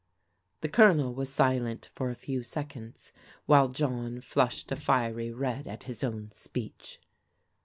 The Colonel was silent for a few seconds, while John flushed a fier\' red at his own speech.